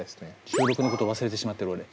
収録のこと忘れてしまってる俺。